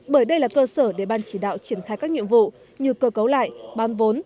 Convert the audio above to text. bởi đây là cơ sở để ban chỉ đạo triển khai các nhiệm vụ như cơ cấu lại bán vốn